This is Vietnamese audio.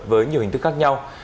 với nhiều hình thức khác nhau